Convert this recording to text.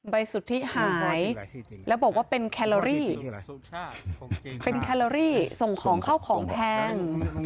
สุทธิหายแล้วบอกว่าเป็นแคลอรี่เป็นแคลอรี่ส่งของเข้าของแพง